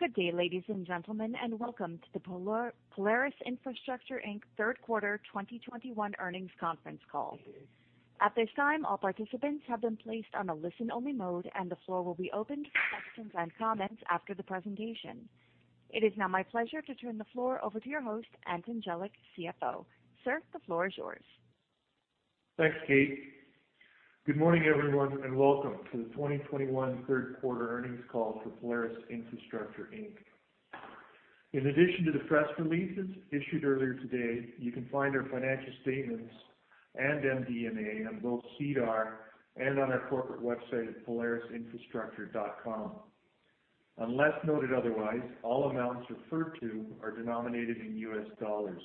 Good day, ladies and gentlemen, and welcome to the Polaris Infrastructure Inc third quarter 2021 earnings conference call. At this time, all participants have been placed on a listen-only mode, and the floor will be opened for questions and comments after the presentation. It is now my pleasure to turn the floor over to your host, Anton Jelic, CFO. Sir, the floor is yours. Thanks, Kate. Good morning, everyone, and welcome to the 2021 third quarter earnings call for Polaris Infrastructure Inc. In addition to the press releases issued earlier today, you can find our financial statements and MD&A on both SEDAR and on our corporate website at polarisinfrastructure.com. Unless noted otherwise, all amounts referred to are denominated in U.S. dollars.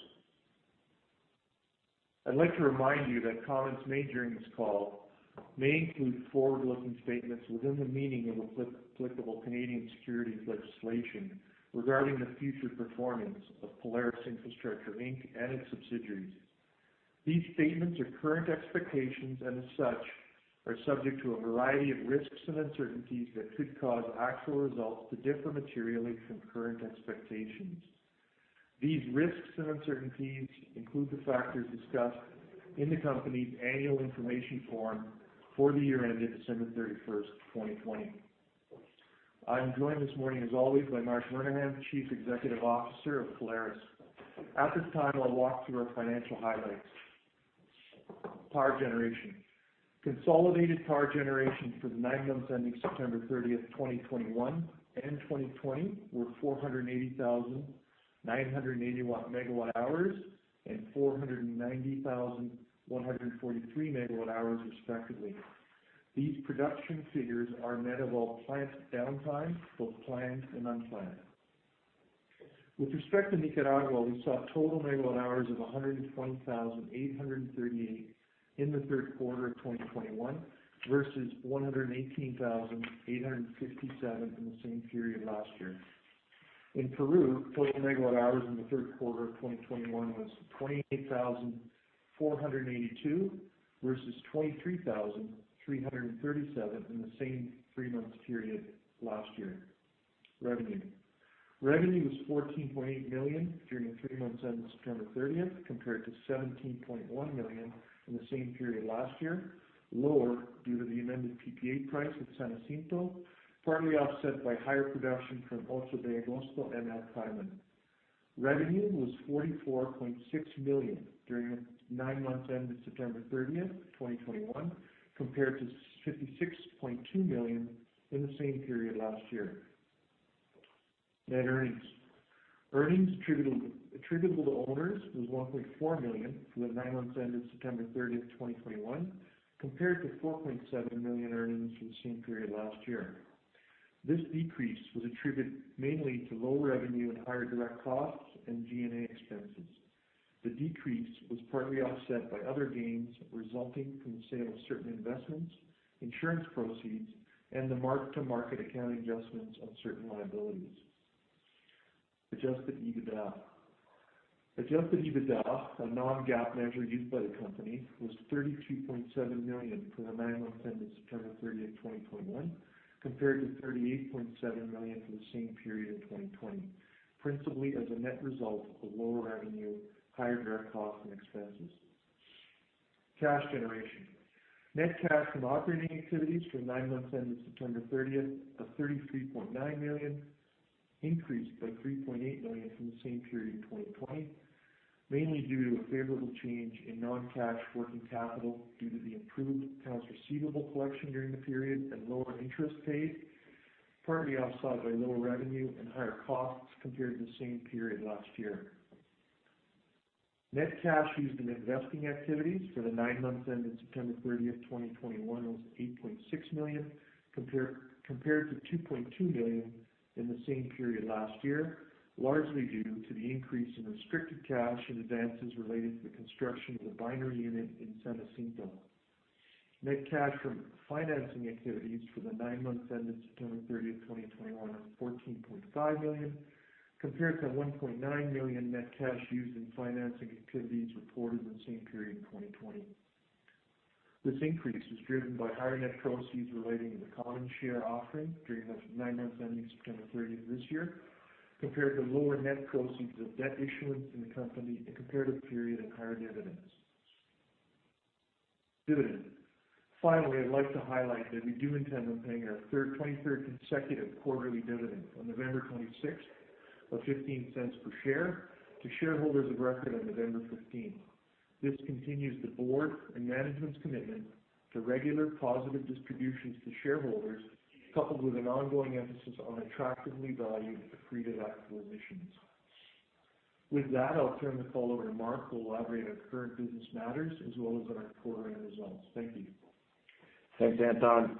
I'd like to remind you that comments made during this call may include forward-looking statements within the meaning of applicable Canadian securities legislation regarding the future performance of Polaris Infrastructure Inc and its subsidiaries. These statements are current expectations and as such are subject to a variety of risks and uncertainties that could cause actual results to differ materially from current expectations. These risks and uncertainties include the factors discussed in the company's annual information form for the year ended December 31st, 2020. I'm joined this morning, as always, by Marc Murnaghan, Chief Executive Officer of Polaris. At this time, I'll walk through our financial highlights. Power generation. Consolidated power generation for the nine months ending September 30th, 2021 and 2020 were 480,981 MWh and 490,143 MWh, respectively. These production figures are net of all plant downtime, both planned and unplanned. With respect to Nicaragua, we saw total megawatt hours of 120,838 in the third quarter of 2021 versus 118,857 MWh in the same period last year. In Peru, total megawatt hours in the third quarter of 2021 was 28,482 versus 23,337 in the same three months period last year. Revenue was $14.8 million during the three months ending September 30th compared to $17.1 million in the same period last year, lower due to the amended PPA price at San Jacinto, partly offset by higher production from 8 de Agosto and El Carmen. Revenue was $44.6 million during the nine months ended September 30th, 2021 compared to $56.2 million in the same period last year. Net earnings attributable to owners was $1.4 million for the nine months ended September 30th, 2021 compared to $4.7 million earnings for the same period last year. This decrease was attributed mainly to lower revenue and higher direct costs and G&A expenses. The decrease was partly offset by other gains resulting from the sale of certain investments, insurance proceeds, and the mark-to-market accounting adjustments on certain liabilities. Adjusted EBITDA. Adjusted EBITDA, a non-GAAP measure used by the company, was $32.7 million for the nine months ended September 30th, 2021 compared to $38.7 million for the same period in 2020, principally as a net result of the lower revenue, higher direct costs and expenses. Cash generation. Net cash from operating activities for the nine months ended September 30th of $33.9 million increased by $3.8 million from the same period in 2020, mainly due to a favorable change in non-cash working capital due to the improved accounts receivable collection during the period and lower interest paid, partly offset by lower revenue and higher costs compared to the same period last year. Net cash used in investing activities for the nine months ended September 30th, 2021 was $8.6 million compared to $2.2 million in the same period last year, largely due to the increase in restricted cash and advances related to the construction of the binary unit in San Jacinto. Net cash from financing activities for the nine months ended September 30th, 2021 was $14.5 million compared to $1.9 million net cash used in financing activities reported in the same period in 2020. This increase was driven by higher net proceeds relating to the common share offering during the nine months ending September 30th this year, compared to lower net proceeds of debt issuance in the company in the comparative period and higher dividends. Finally, I'd like to highlight that we do intend on paying our 23rd consecutive quarterly dividend on November 26th of $0.15 per share to shareholders of record on November 15th. This continues the board and management's commitment to regular positive distributions to shareholders, coupled with an ongoing emphasis on attractively valued accretive acquisitions. With that, I'll turn the call over to Marc, who will elaborate on current business matters as well as on our quarter-end results. Thank you. Thanks, Anton.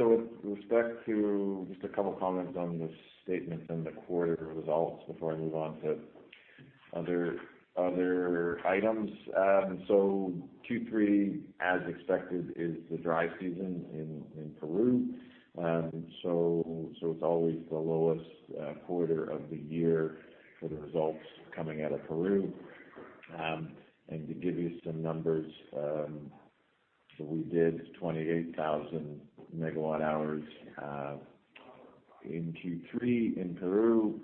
With respect to just a couple of comments on the statements and the quarter results before I move on to other items. Q3, as expected, is the dry season in Peru. It's always the lowest quarter of the year for the results coming out of Peru. To give you some numbers, we did 28,000 MWh in Q3 in Peru.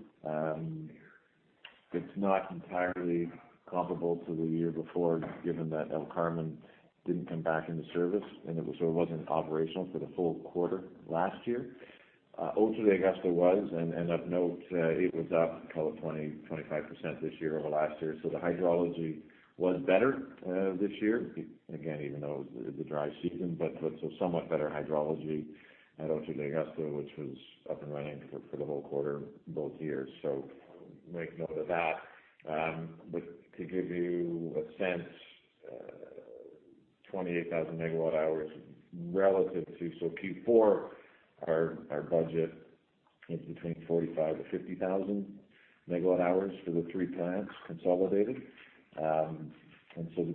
It's not entirely comparable to the year before, given that El Carmen didn't come back into service. It wasn't operational for the full quarter last year. 8 de Agosto was, and of note, it was up, call it 20%-25% this year over last year. The hydrology was better this year again, even though it was the dry season. Somewhat better hydrology at 8 de Agosto, which was up and running for the whole quarter both years. Make note of that. To give you a sense, 28,000 MWh relative to Q4. Our budget is between 45,000 MWh-50,000 MWh for the three plants consolidated.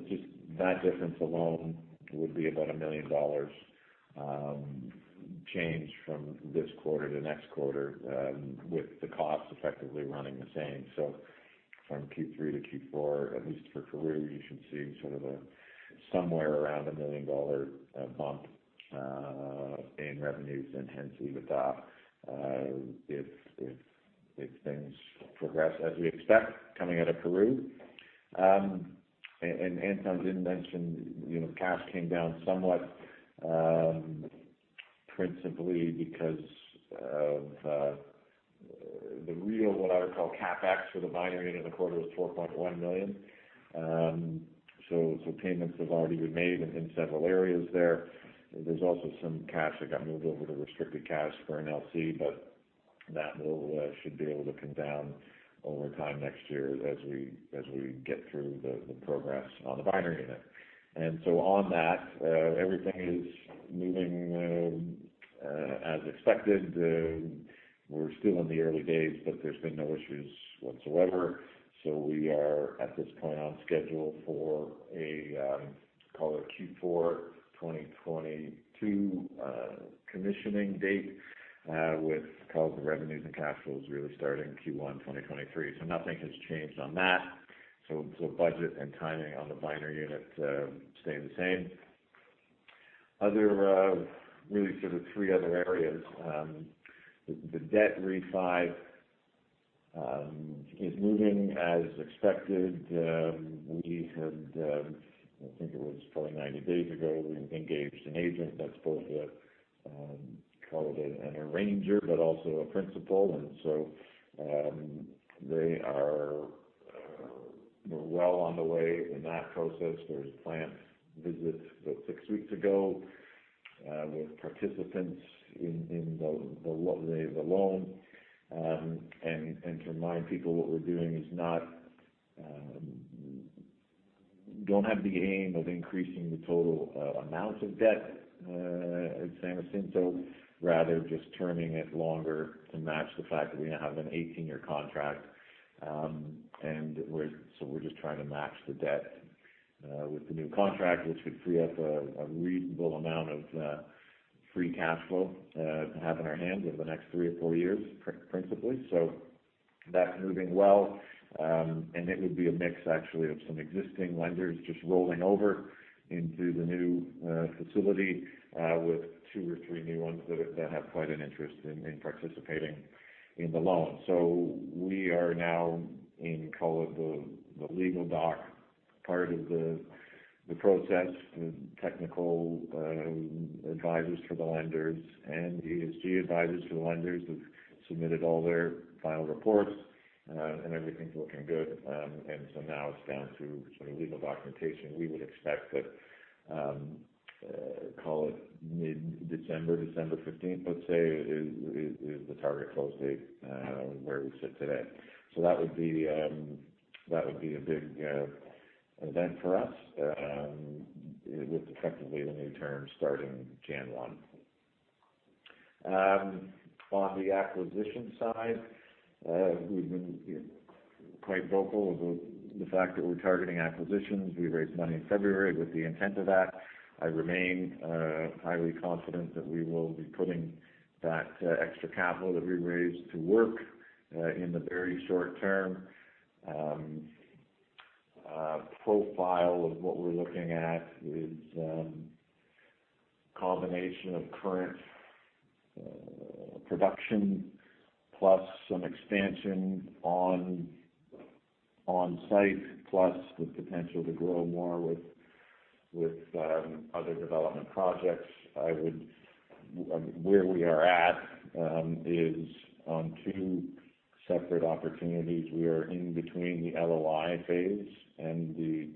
Just that difference alone would be about $1 million change from this quarter to next quarter, with the costs effectively running the same. From Q3 to Q4, at least for Peru, you should see sort of somewhere around $1 million bump in revenues and hence EBITDA, if things progress as we expect coming out of Peru. Anton didn't mention, you know, cash came down somewhat, principally because of the real, what I would call CapEx for the binary unit in the quarter was $4.1 million. Payments have already been made in several areas there. There's also some cash that got moved over to restricted cash for an LC, but that should be able to come down over time next year as we get through the progress on the binary unit. On that, everything is moving as expected. We're still in the early days, but there's been no issues whatsoever. We are at this point on schedule for a call it Q4 2022 commissioning date with call it the revenues and cash flows really starting Q1 2023. Nothing has changed on that. Budget and timing on the binary unit stay the same. Other really sort of three other areas. The debt refi is moving as expected. We had, I think it was probably 90 days ago, we engaged an agent that's both a, call it an arranger, but also a principal. They are well on the way in that process. There was a plant visit about six weeks ago with participants in the loan. To remind people, what we're doing is not don't have the aim of increasing the total amount of debt at San Jacinto, rather just terming it longer to match the fact that we now have an 18-year contract. We're just trying to match the debt with the new contract, which would free up a reasonable amount of free cash flow to have in our hands over the next three or four years principally. That's moving well. It would be a mix actually of some existing lenders just rolling over into the new facility with two or three new ones that have quite an interest in participating in the loan. We are now in call it the legal doc part of the process. The technical advisors for the lenders and ESG advisors for the lenders have submitted all their final reports and everything's looking good. Now it's down to sort of legal documentation. We would expect that, call it mid-December, December 15th, let's say, is the target close date, where we sit today. That would be a big event for us, with effectively the new term starting January 1. On the acquisition side, we've been quite vocal about the fact that we're targeting acquisitions. We raised money in February with the intent of that. I remain highly confident that we will be putting that extra capital that we raised to work in the very short term. Profile of what we're looking at is combination of current production plus some expansion on site, plus the potential to grow more with other development projects. Where we are at is on two separate opportunities. We are in between the LOI phase and the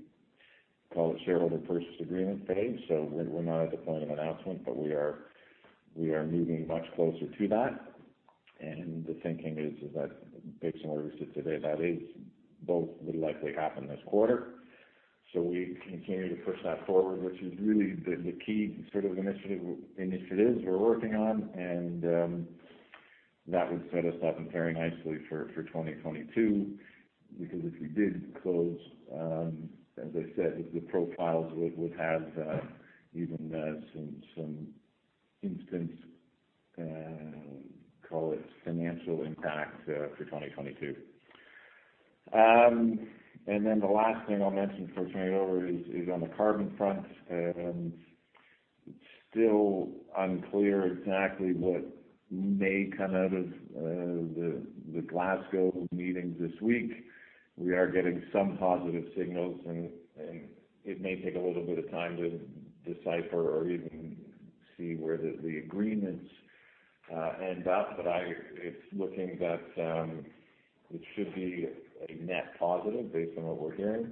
call it shareholder purchase agreement phase. We're not at the point of announcement, but we are moving much closer to that. The thinking is that based on where we sit today, both would likely happen this quarter. We continue to push that forward, which is really the key sort of initiative we're working on. That would set us up very nicely for 2022. Because if we did close, as I said, the profiles would have even some instant call it financial impact for 2022. Then the last thing I'll mention before turning it over is on the carbon front. It's still unclear exactly what may come out of the Glasgow meeting this week. We are getting some positive signals and it may take a little bit of time to decipher or even see where the agreements end up. It's looking that it should be a net positive based on what we're hearing,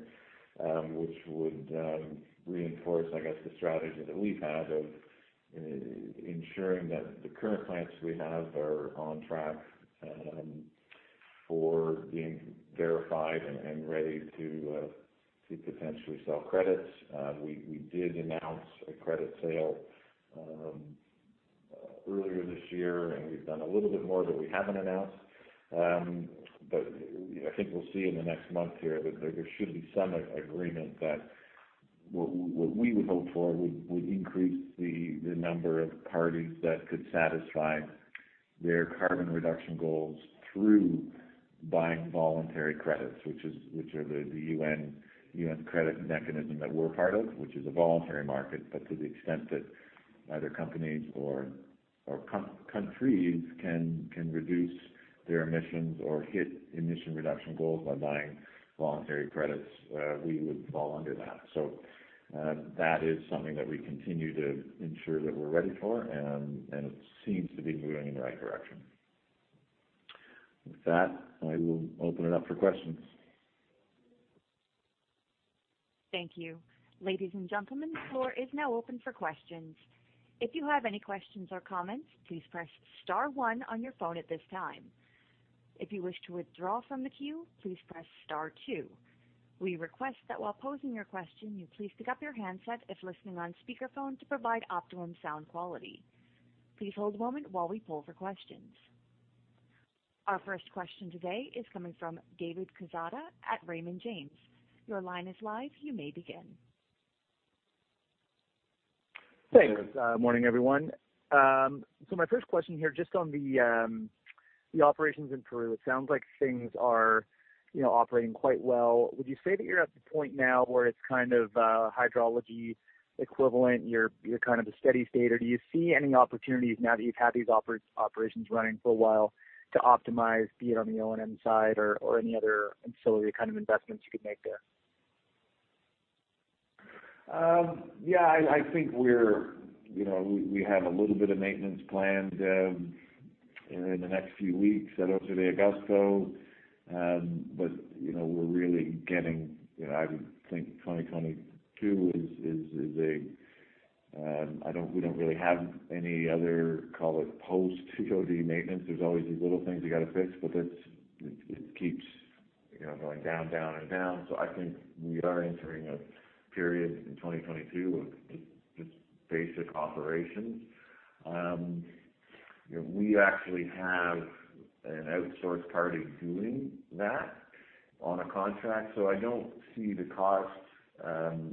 which would reinforce, I guess, the strategy that we've had of ensuring that the current plants we have are on track for being verified and ready to potentially sell credits. We did announce a credit sale earlier this year, and we've done a little bit more that we haven't announced. I think we'll see in the next month here that there should be some agreement that what we would hope for would increase the number of parties that could satisfy their carbon reduction goals through buying voluntary credits. Which are the UN credit mechanism that we're part of, which is a voluntary market. But to the extent that either companies or countries can reduce their emissions or hit emission reduction goals by buying voluntary credits, we would fall under that. That is something that we continue to ensure that we're ready for, and it seems to be moving in the right direction. With that, I will open it up for questions. Thank you. Ladies and gentlemen, the floor is now open for questions. If you have any questions or comments, please press star one on your phone at this time. If you wish to withdraw from the queue, please press star two. We request that while posing your question, you please pick up your handset if listening on speakerphone to provide optimum sound quality. Please hold a moment while we poll for questions. Our first question today is coming from David Quezada at Raymond James. Your line is live, you may begin. Thanks. Morning, everyone. So my first question here, just on the operations in Peru, it sounds like things are, you know, operating quite well. Would you say that you're at the point now where it's kind of hydrology equivalent, you're kind of a steady state? Or do you see any opportunities now that you've had these operations running for a while to optimize, be it on the O&M side or any other ancillary kind of investments you could make there? Yeah, I think we're, you know, we have a little bit of maintenance planned in the next few weeks at 8 de Agosto. But, you know, we're really getting, you know, I would think 2022 is a, we don't really have any other, call it, post-COD maintenance. There's always these little things you gotta fix, but it keeps, you know, going down and down. I think we are entering a period in 2022 of just basic operations. You know, we actually have an outsourced party doing that on a contract, so I don't see the costs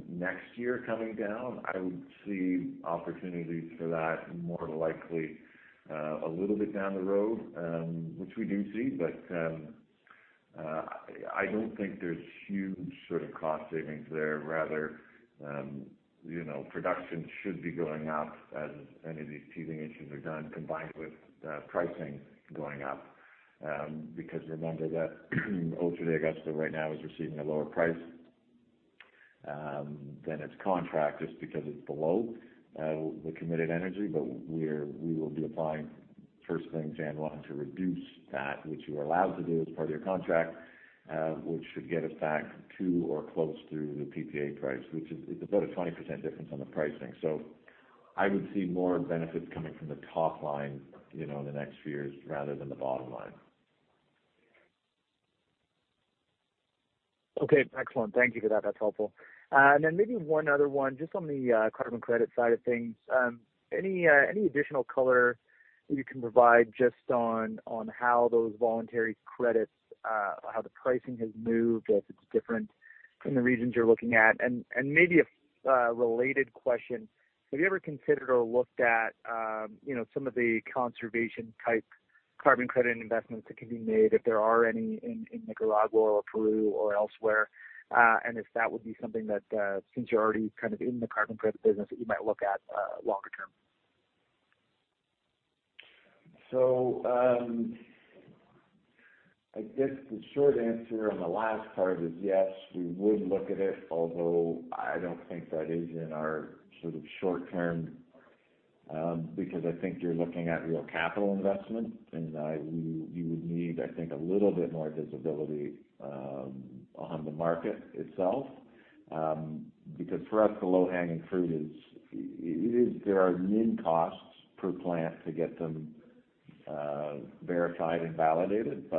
next year coming down. I would see opportunities for that more likely a little bit down the road, which we do see. I don't think there's huge sort of cost savings there. Rather, you know, production should be going up as any of these teething issues are done, combined with pricing going up. Because remember that 8 de Agosto right now is receiving a lower price than its contract, just because it's below the committed energy. We will be applying from the January 1st to reduce that which we're allowed to do as part of your contract, which should get us back to or close to the PPA price, which is. It's about a 20% difference on the pricing. I would see more benefits coming from the top line, you know, in the next few years rather than the bottom line. Okay, excellent. Thank you for that. That's helpful. Maybe one other one just on the carbon credit side of things. Any additional color you can provide just on how those voluntary credits, how the pricing has moved, if it's different from the regions you're looking at? Maybe a related question, have you ever considered or looked at, you know, some of the conservation type carbon credit investments that can be made, if there are any in Nicaragua or Peru or elsewhere? If that would be something that, since you're already kind of in the carbon credit business, that you might look at longer term. I guess the short answer on the last part is yes, we would look at it, although I don't think that is in our sort of short term, because I think you're looking at real capital investment and you would need, I think, a little bit more visibility on the market itself. Because for us, the low-hanging fruit is there are minimal costs per plant to get them verified and validated,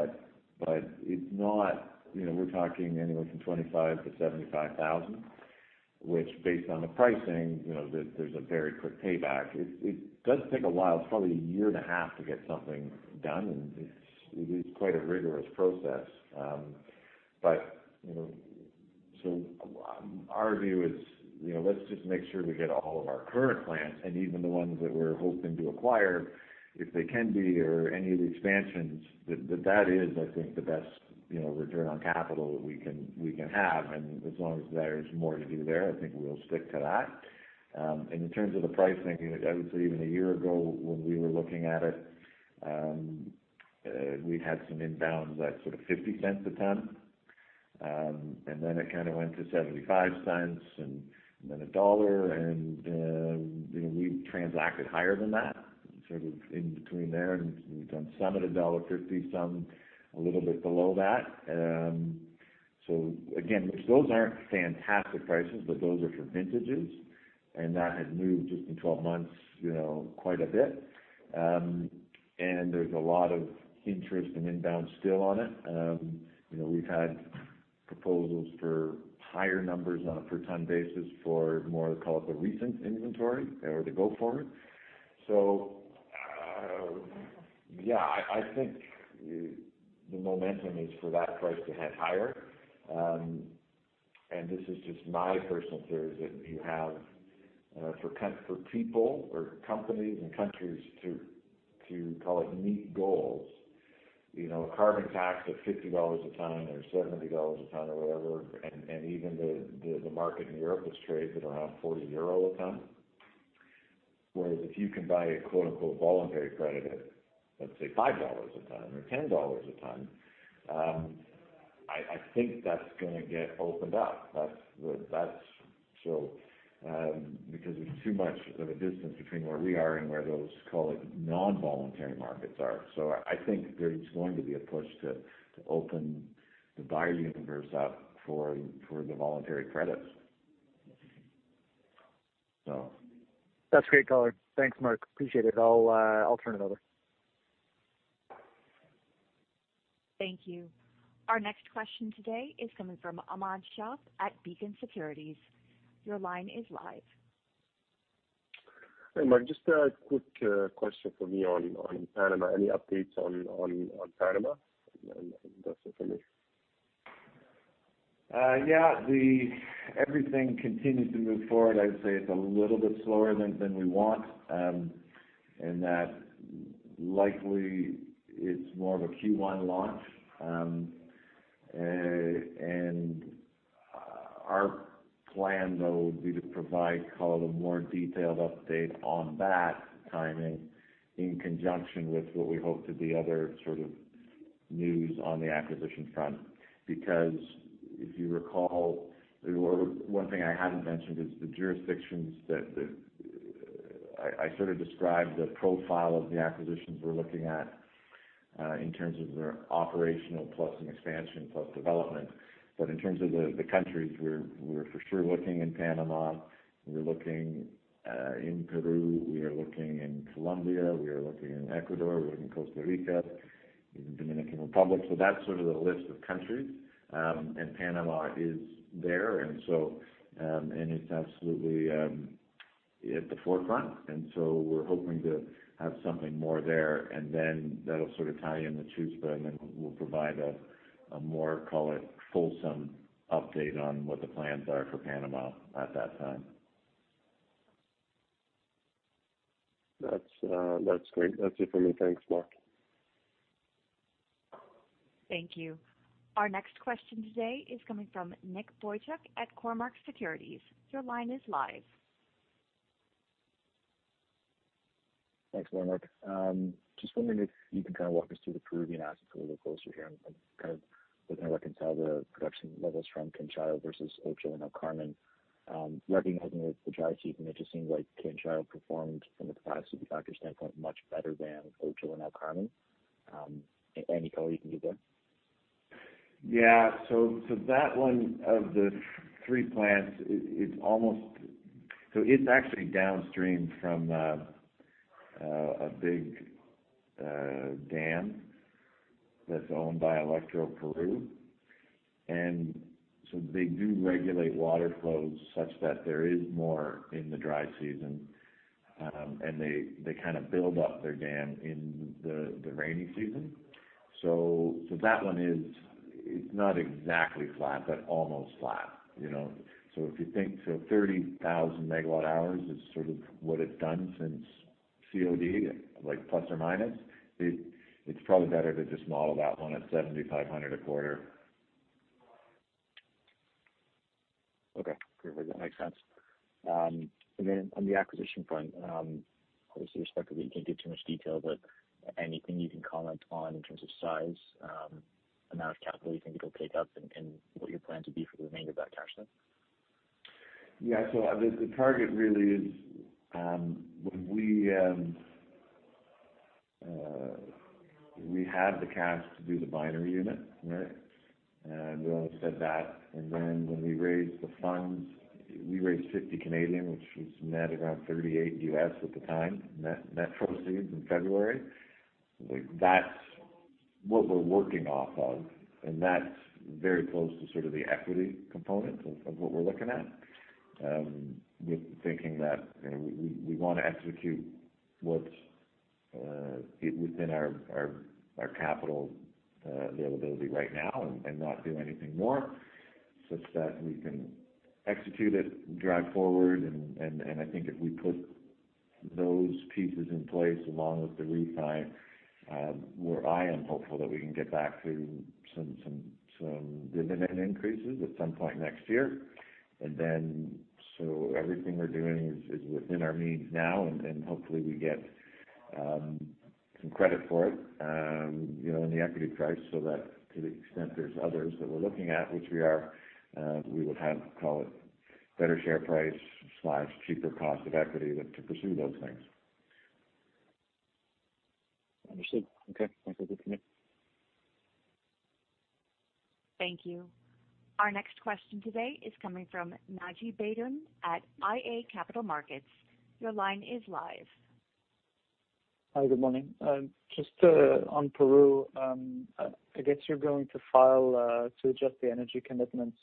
but it's not, you know, we're talking anywhere from $25,000-$75,000, which based on the pricing, you know, there's a very quick payback. It does take a while. It's probably a year and a half to get something done, and it is quite a rigorous process. Our view is, you know, let's just make sure we get all of our current plants and even the ones that we're hoping to acquire, if they can be or any of the expansions, that is, I think, the best, you know, return on capital that we can have. As long as there's more to do there, I think we'll stick to that. In terms of the pricing, I would say even a year ago when we were looking at it, we had some inbounds at sort of $0.50 a ton. Then it kind of went to $0.75 and then $1. You know, we transacted higher than that, sort of in between there. We've done some at $1.50, some a little bit below that. Those aren't fantastic prices, but those are for vintages, and that has moved just in 12 months, you know, quite a bit. There's a lot of interest and inbound still on it. You know, we've had proposals for higher numbers on a per ton basis for more, call it, the recent inventory or the go forward. Yeah, I think the momentum is for that price to head higher. This is just my personal theory, that you have for people or companies and countries to call it meet goals, you know, carbon tax of $50 a ton or $70 a ton or whatever. Even the market in Europe has traded around 40 euro a ton. Whereas if you can buy a quote-unquote voluntary credit at, let's say, $5 a ton or $10 a ton, I think that's gonna get opened up. Because there's too much of a distance between where we are and where those, call it, non-voluntary markets are. I think there's going to be a push to open the buyer universe up for the voluntary credits. That's great, color. Thanks, Marc. Appreciate it. I'll turn it over. Thank you. Our next question today is coming from Ahmad Shaath at Beacon Securities. Your line is live. Hey, Marc. Just a quick question for me on Panama. Any updates on Panama? That's it for me. Yeah, the everything continues to move forward. I'd say it's a little bit slower than we want. And that likely it's more of a Q1 launch. And our plan, though, would be to provide, call it, a more detailed update on that timing in conjunction with what we hope to be other sort of news on the acquisition front. Because if you recall, there were one thing I hadn't mentioned is the jurisdictions that I sort of described the profile of the acquisitions we're looking at, in terms of their operational plus and expansion plus development. But in terms of the countries, we're for sure looking in Panama, we're looking in Peru, we are looking in Colombia, we are looking in Ecuador, we're looking in Costa Rica, in Dominican Republic. That's sort of the list of countries, and Panama is there. It's absolutely at the forefront. We're hoping to have something more there and then that'll sort of tie in the Chuspa, and then we'll provide a more, call it, fulsome update on what the plans are for Panama at that time. That's, that's great. That's it for me. Thanks, Marc. Thank you. Our next question today is coming from Nick Boychuk at Cormark Securities. Your line is live. Thanks a lot, Marc. Just wondering if you can kind of walk us through the Peruvian assets a little closer here and kind of looking to reconcile the production levels from Canchayllo versus 8 de Agosto and El Carmen. Recognizing it's the dry season, it just seems like Canchayllo performed from a capacity factor standpoint, much better than 8 de Agosto and El Carmen. Any color you can give there? That one of the three plants, it's almost. It's actually downstream from a big dam that's owned by Electroperú. They do regulate water flows such that there is more in the dry season. They kind of build up their dam in the rainy season. That one is not exactly flat, but almost flat, you know? If you think, 30,000 MWh is sort of what it's done since COD, like plus or minus. It's probably better to just model that one at 7,500 a quarter. Okay, great. That makes sense. Then on the acquisition front, obviously, respectfully, you can't give too much detail, but anything you can comment on in terms of size, amount of capital you think it'll take up and what your plan to be for the remainder of that cash then? Yeah. The target really is when we had the cash to do the binary unit, right? We always said that, and then when we raised the funds, we raised 50, which was net around $38 at the time, net proceeds in February. That's what we're working off of, and that's very close to sort of the equity component of what we're looking at. With thinking that, you know, we wanna execute it within our capital availability right now and I think if we put those pieces in place along with the refi, where I am hopeful that we can get back to some dividend increases at some point next year. Everything we're doing is within our means now, and then hopefully we get some credit for it, you know, in the equity price, so that to the extent there's others that we're looking at, which we are, we would have, call it better share price slash cheaper cost of equity to pursue those things. Understood. Okay. Thanks so good for me. Thank you. Our next question today is coming from Naji Baydoun at iA Capital Markets. Your line is live. Hi, good morning. Just, on Peru, I guess you're going to file to adjust the energy commitments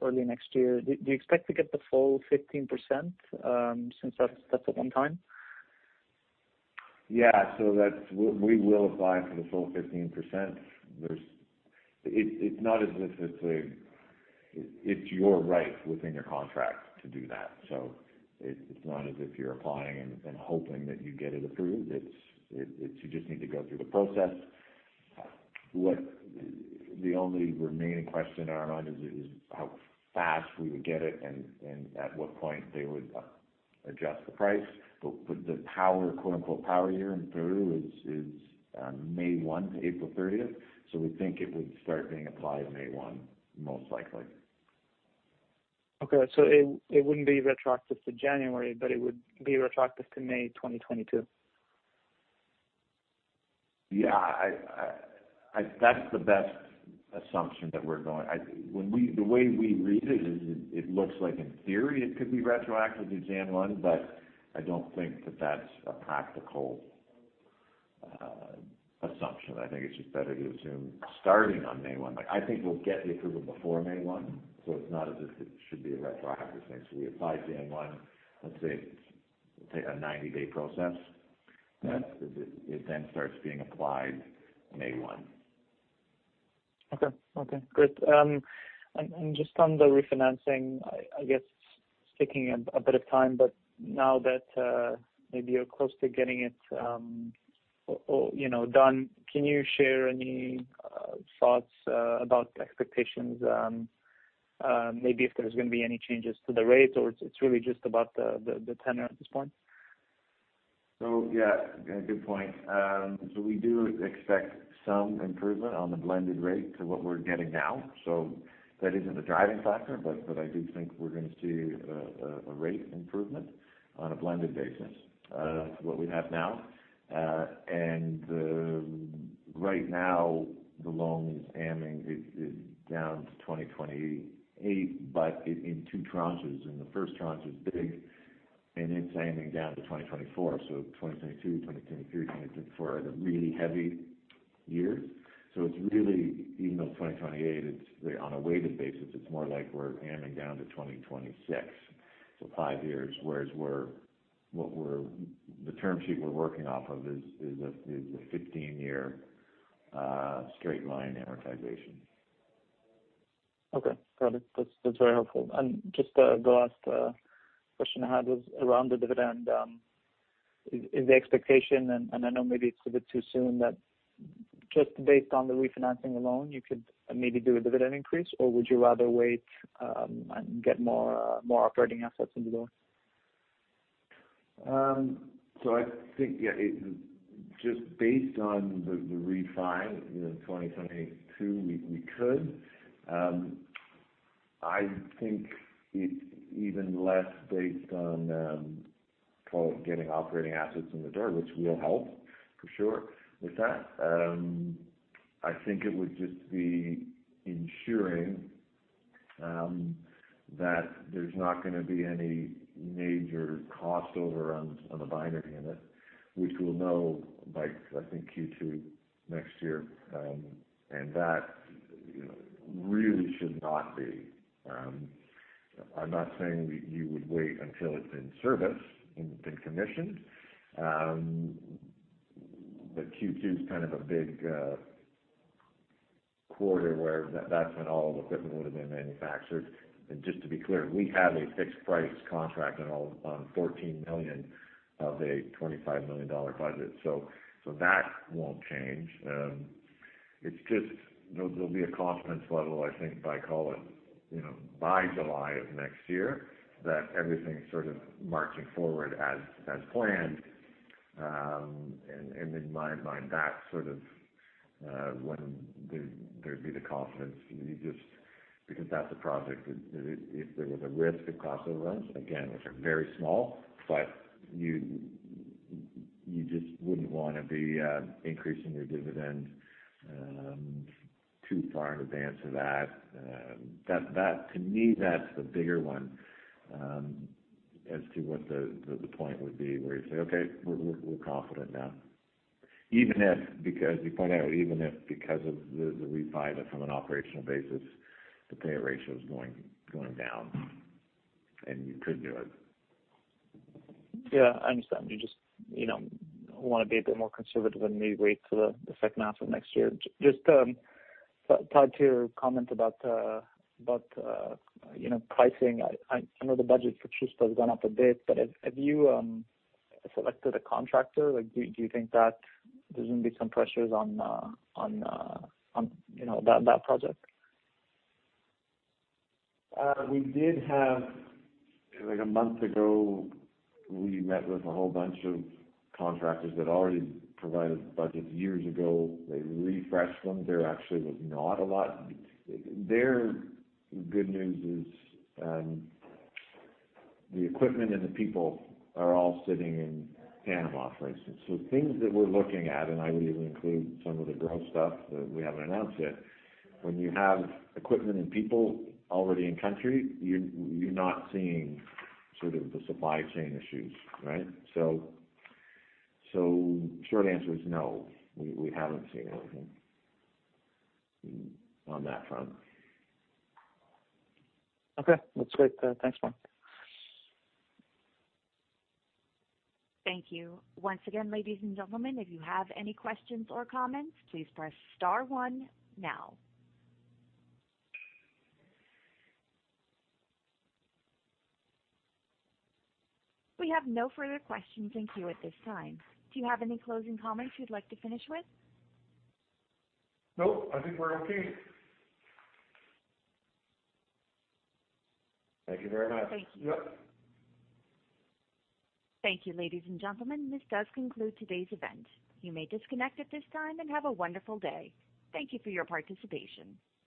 early next year. Do you expect to get the full 15% since that's at one time? Yeah. That's what we will apply for the full 15%. It's not as if it's your right within your contract to do that. It's not as if you're applying and hoping that you get it approved. You just need to go through the process. What the only remaining question on our mind is how fast we would get it and at what point they would adjust the price. The power, quote, unquote, power year in Peru is May 1 to April 30th. We think it would start being applied May 1 most likely. It wouldn't be retroactive to January, but it would be retroactive to May 2022. Yeah, that's the best assumption that we're going. The way we read it is it looks like in theory it could be retroactive to January 1, but I don't think that that's a practical assumption. I think it's just better to assume starting on May 1. I think we'll get the approval before May 1, so it's not as if it should be a retroactive thing. We apply January 1, let's say it's a 90-day process. It then starts being applied May 1. Okay, great. Just on the refinancing, I guess it's taking a bit of time, but now that maybe you're close to getting it, or you know done, can you share any thoughts about expectations, maybe if there's gonna be any changes to the rate or it's really just about the tenure at this point? Yeah. Good point. We do expect some improvement on the blended rate to what we're getting now. That isn't the driving factor, but I do think we're gonna see a rate improvement on a blended basis to what we have now. Right now the loan is amortizing down to 2028, but it's in two tranches, and the first tranche is big, and it's amortizing down to 2024. 2022, 2023, 2024 are the really heavy years. It's really, even though it's 2028, on a weighted basis, it's more like we're amortizing down to 2026. Five years, whereas what we're, the term sheet we're working off of is a 15-year straight line amortization. Okay, got it. That's very helpful. Just the last question I had was around the dividend. Is the expectation, and I know maybe it's a bit too soon, that just based on the refinancing alone, you could maybe do a dividend increase, or would you rather wait and get more operating assets in the door? I think, yeah, it just based on the refi, you know, 2022, we could. I think it even less based on, call it getting operating assets in the door, which will help for sure with that. I think it would just be ensuring that there's not gonna be any major cost overruns on the binary unit, which we'll know by I think Q2 next year. That, you know, really should not be. I'm not saying you would wait until it's in service and been commissioned, but Q2 is kind of a big quarter where that's when all the equipment would have been manufactured. Just to be clear, we have a fixed price contract on $14 million of a $25 million budget. That won't change. It's just there'll be a confidence level, I think, if I call it, you know, by July of next year that everything's sort of marching forward as planned. And in my mind, that's sort of when there'd be the confidence. You just—because that's a project that if there was a risk of cost overruns again, which are very small, but you just wouldn't want to be increasing your dividend too far in advance of that. That to me, that's the bigger one, as to what the point would be where you say, okay, we're confident now. Even if, because you point out, even if because of the refi that from an operational basis, the payout ratio is going down. You could do it. Yeah, I understand. You just, you know, wanna be a bit more conservative and maybe wait till the second half of next year. Just tied to your comment about, you know, pricing. I know the budget for Chuspa has gone up a bit, but have you selected a contractor? Like, do you think that there's gonna be some pressures on, you know, that project? We did have like a month ago, we met with a whole bunch of contractors that already provided budgets years ago. They refreshed them. There actually was not a lot. Their good news is, the equipment and the people are all sitting in Panama, for instance. So things that we're looking at, and I would even include some of the growth stuff that we haven't announced yet, when you have equipment and people already in country, you're not seeing sort of the supply chain issues, right? So short answer is no, we haven't seen anything on that front. Okay. That's great. Thanks, Marc. Thank you. Once again, ladies and gentlemen, if you have any questions or comments, please press star one now. We have no further questions in queue at this time. Do you have any closing comments you'd like to finish with? Nope. I think we're okay. Thank you very much. Thank you. Yep. Thank you, ladies and gentlemen. This does conclude today's event. You may disconnect at this time and have a wonderful day. Thank you for your participation.